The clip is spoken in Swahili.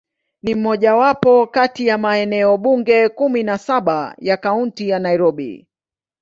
Ni mojawapo kati ya maeneo bunge kumi na saba ya Kaunti ya Nairobi.